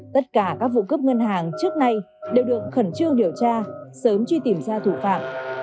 tất cả các vụ cướp ngân hàng trước nay đều được khẩn trương điều tra sớm truy tìm ra thủ phạm